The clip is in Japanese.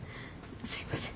すいません。